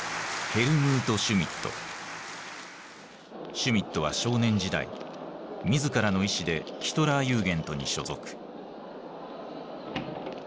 シュミットは少年時代自らの意志でヒトラーユーゲントに所属。